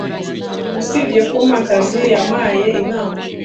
Usibye kumpa akazi, yampaye inama.